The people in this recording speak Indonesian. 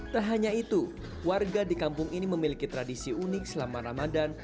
tak hanya itu warga di kampung ini memiliki tradisi unik selama ramadan